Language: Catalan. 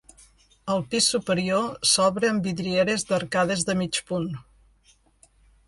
El pis superior s'obre amb vidrieres d'arcades de mig punt.